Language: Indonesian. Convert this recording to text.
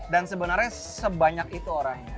dan sebenarnya sebanyak itu